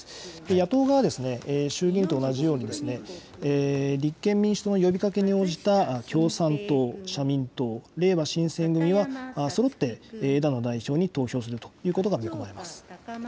野党側は衆議院と同じように、立憲民主党の呼びかけに応じた共産党、社民党、れいわ新選組はそろって枝野代表に投票するということが見込まれます。